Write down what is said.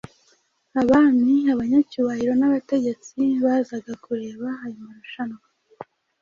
abami, abanyacyubahiro n’abategetsi bazaga kureba ayo marushanwa.